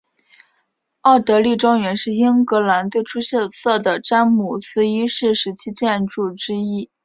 奥德莉庄园是英格兰最出色的詹姆斯一世时期建筑之一。